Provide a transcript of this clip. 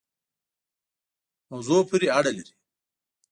موضوع پوری اړه لری